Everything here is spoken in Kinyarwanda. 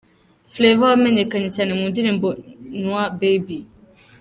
Flavour yamenyekanye cyane mu ndirimbo Nwa Baby.